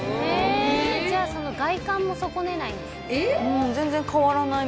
じゃあ外観も損ねないんですね。